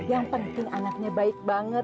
yang penting anaknya baik banget